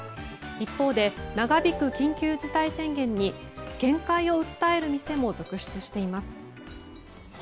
一方で長引く緊急事態宣言に限界を訴える店も続出しています。